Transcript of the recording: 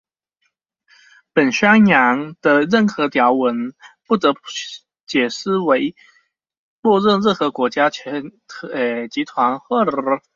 本宣言的任何条文,不得解释为默许任何国家、集团或个人有权进行任何旨在破坏本宣言所载的任何权利和自由的活动或行为。